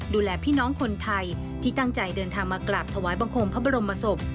ดูแลพี่น้องคนไทยที่ตั้งใจเดินทางมากราบถวายบังคมพระบรมศพ